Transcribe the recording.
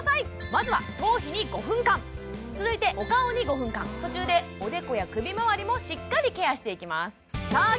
まずは頭皮に５分間続いてお顔に５分間途中でおでこや首まわりもしっかりケアしていきますさあ